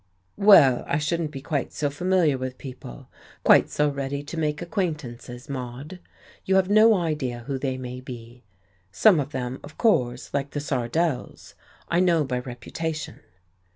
"Well, I shouldn't be quite so familiar with people, quite so ready to make acquaintances, Maude. You have no idea who they may be. Some of them, of course, like the Sardells, I know by reputation."